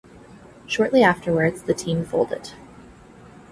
Shortly afterwards, the team folded.